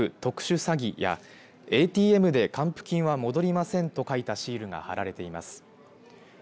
特殊詐欺！やＡＴＭで還付金は戻りませんと書いたシールが貼られています。